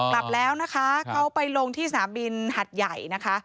กลับแล้วนะคะเขาไปลงที่สนามบินหัดใหญ่นะคะ